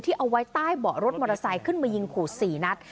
เอาไว้ใต้เบาะรถมอเตอร์ไซค์ขึ้นมายิงขู่๔นัด